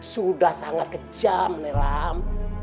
sudah sangat kejam nelam